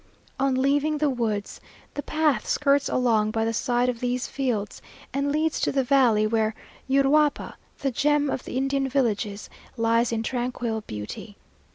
On leaving the woods, the path skirts along by the side of these fields, and leads to the valley where Uruapa, the gem of the Indian villages, lies in tranquil beauty.